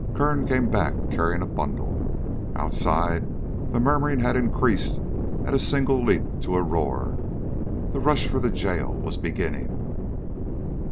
Kern came back, carrying a bundle. Outside, the murmuring had increased at a single leap to a roar. The rush for the jail was beginning.